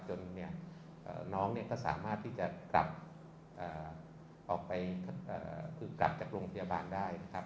จนเนี่ยน้องก็สามารถที่จะกลับออกไปคือกลับจากโรงพยาบาลได้นะครับ